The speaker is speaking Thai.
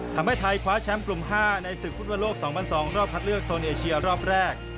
ทำให้ไทยคว้าแชมป์กลุ่ม๕ในศึกฟุตบอลโลก๒๐๐๒รอบคัดเลือกโซนเอเชียรอบแรก